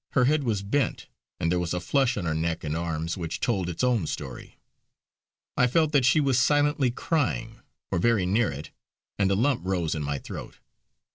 Her head was bent, and there was a flush on her neck and arms which told its own story. I felt that she was silently crying, or very near it; and a lump rose in my own throat.